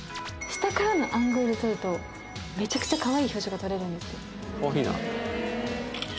下からのアングルで撮るとめちゃくちゃカワイイ表情が撮れるんですよ